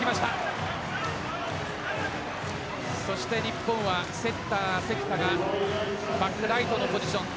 そして、日本はセッター・関田がバックライトのポジション。